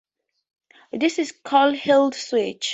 This is called a heeled switch.